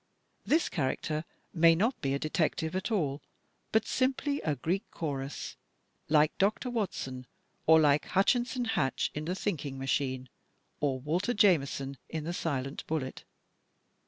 This character may not be a detective at all, but simply a " Greek Chorus," like Dr. Watson, or like Hutchinson Hatch in "The Thinking Machine," or Walter Jameson in the "Silent Bullet."